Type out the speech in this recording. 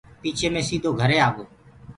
پچهي مي سيٚدو گهري آگو۔